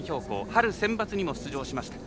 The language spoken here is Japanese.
春センバツにも出場しました。